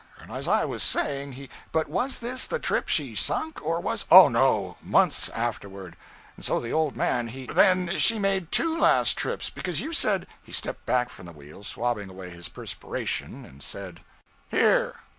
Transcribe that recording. And as I was saying, he ' 'But was this the trip she sunk, or was ' 'Oh, no! months afterward. And so the old man, he ' 'Then she made _two _last trips, because you said ' He stepped back from the wheel, swabbing away his perspiration, and said 'Here!'